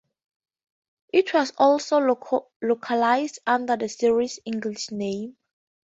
It was also localized under the series' English name.